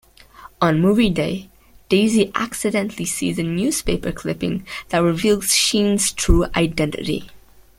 On moving day, Daisy accidentally sees a newspaper clipping that reveals Sean's true identity.